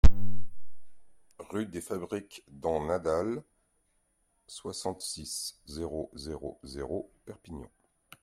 Rue des Fabriques d'en Nadals, soixante-six, zéro zéro zéro Perpignan